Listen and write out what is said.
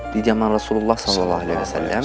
di zaman rasulullah saw